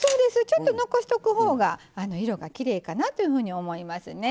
ちょっと残しとくほうが色がきれいかなというふうに思いますね。